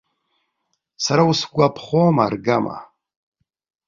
Сара усгәаԥхом аргама.